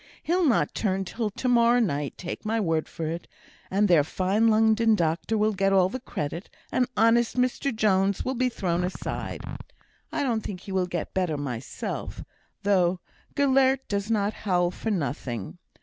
He'll not turn till to morrow night, take my word for it, and their fine London doctor will get all the credit, and honest Mr Jones will be thrown aside. I don't think he will get better myself, though Gelert does not howl for nothing.